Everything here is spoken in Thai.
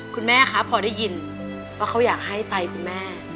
คุณแม่ครับพอได้ยินว่าเขาอยากให้ไตคุณแม่